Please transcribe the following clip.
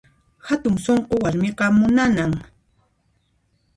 Hatun sunqu warmiqa munanan